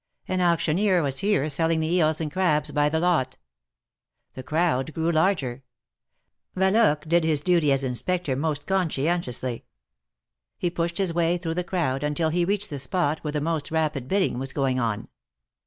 An auctioneer was here selling the eels and crabs by the lot. The crowd grew larger. Yaloque did his duty as Inspector most conscientiously ; he pushed his way through the crowd, until he reached the spot where the most rapid bidding was going on.